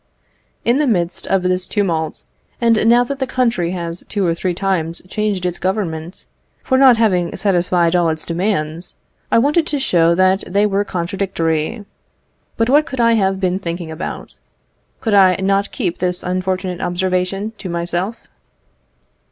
In the midst of this tumult, and now that the country has two or three times changed its Government, for not having satisfied all its demands, I wanted to show that they were contradictory. But what could I have been thinking about? Could I not keep this unfortunate observation to myself?